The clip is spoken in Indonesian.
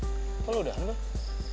loh kok lu udahan gue